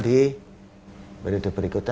di periode berikutnya